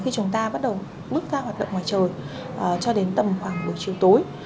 khi chúng ta bắt đầu bước ra hoạt động ngoài trời cho đến tầm khoảng buổi chiều tối